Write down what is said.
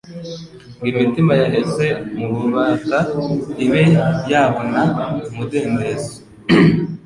ngo imitima yaheze mu bubata ibe yabona umudendezo.